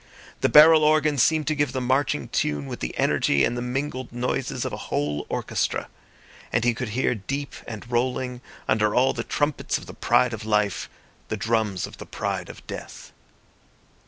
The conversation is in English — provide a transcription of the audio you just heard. The barrel organ seemed to give the marching tune with the energy and the mingled noises of a whole orchestra; and he could hear deep and rolling, under all the trumpets of the pride of life, the drums of the pride of death.